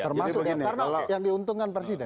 termasuk karena yang diuntungkan presiden